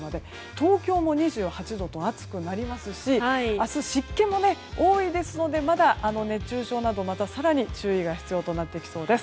東京も２８度と暑くなりますし明日、湿気も多いですので熱中症などまた更に注意が必要となります。